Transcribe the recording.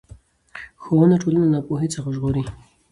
ښوونه ټولنه له ناپوهۍ څخه ژغوري